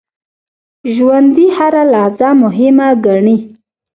ژوندي هره لحظه مهمه ګڼي